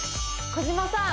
小島さん